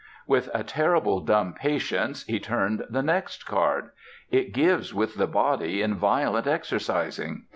With a terrible dumb patience he turned the next card: "IT GIVES WITH THE BODY IN VIOLENT EXERCISING."